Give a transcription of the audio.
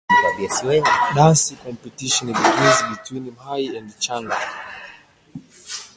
Dance competition begins between Mahi and Chanda.